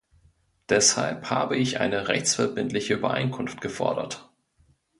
Deshalb habe ich eine rechtsverbindliche Übereinkunft gefordert.